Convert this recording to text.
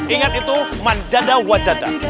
ingat itu manjada wajada